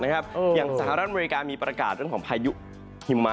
อย่างสหรัฐอเมริกามีประกาศเรื่องของพายุหิมะ